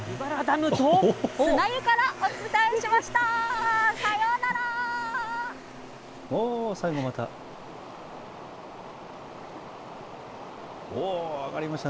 砂湯からお伝えしました。